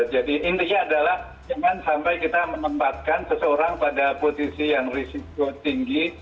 jadi intinya adalah jangan sampai kita menempatkan seseorang pada posisi yang risiko tinggi